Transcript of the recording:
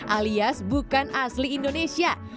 alias bukan asli indonesia